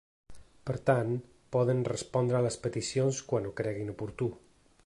Per tant, poden respondre a les peticions quan ho ‘creguin oportú’.